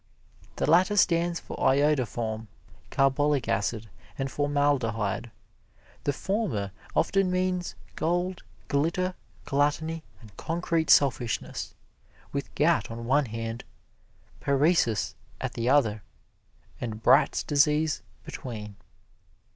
The latter stands for iodoform, carbolic acid and formaldehyde; the former often means gold, glitter, gluttony and concrete selfishness, with gout on one end, paresis at the other and Bright's Disease between.